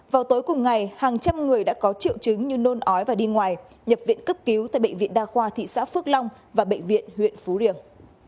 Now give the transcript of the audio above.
vào tối cùng ngày hàng trăm người đã có triệu chứng như nôn ói và đi ngoài nhập viện cấp cứu tại bệnh viện đa khoa thị xã phước long và bệnh viện huyện phú riềng